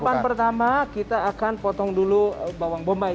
tahapan pertama kita akan potong dulu bawang bombay